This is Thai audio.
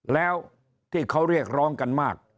แล้วที่เขาเรียกร้องกันมาก